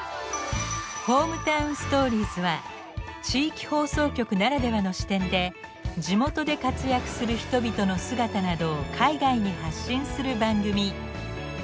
「ＨｏｍｅｔｏｗｎＳｔｏｒｉｅｓ」は地域放送局ならではの視点で地元で活躍する人々の姿などを海外に発信する番組。